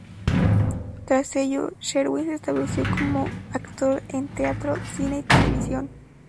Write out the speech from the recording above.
Tras ello, Sherwin se estableció como actor en teatro, cine y televisión.